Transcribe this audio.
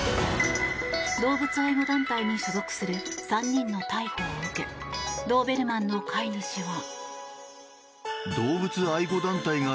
動物愛護団体に所属する３人の逮捕を受けドーベルマンの飼い主は。